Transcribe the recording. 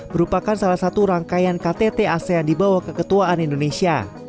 merupakan salah satu rangkaian ktt asean dibawa keketuaan indonesia